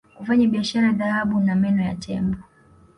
kufanya biashara ya dhahabu na meno ya tembo